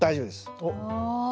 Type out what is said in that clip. お。